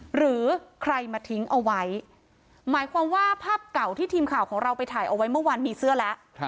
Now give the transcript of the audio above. หรือใครมาทิ้งเอาไว้หมายความว่าภาพเก่าที่ทีมข่าวของเราไปถ่ายเอาไว้เมื่อวานมีเสื้อแล้ว